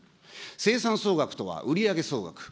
生産総額とは売り上げ総額。